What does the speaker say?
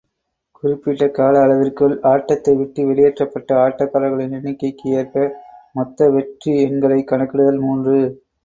குறிப்பிட்ட கால அளவிற்குள் ஆட்டத்தைவிட்டு வெளியேற்றப்பட்ட ஆட்டக்காரர்களின் எண்ணிக்கைக்கு ஏற்ப மொத்த வெற்றி எண்களைக் கணக்கிடுதல் மூன்று.